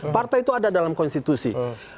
partai itu ada dalam konstitusi